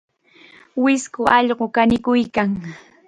Wisku allqu kanikuykan.